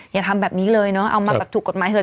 อย่าทำแบบนี้เลยเนอะเอามาแบบถูกกฎหมายเถอ